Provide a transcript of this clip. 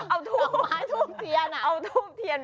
เอาดอกไม้ทูบเทียน